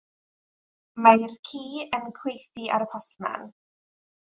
Mae'r ci yn cweithi ar y postman.